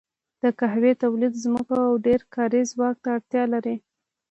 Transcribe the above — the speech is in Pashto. د قهوې تولید ځمکو او ډېر کاري ځواک ته اړتیا لرله.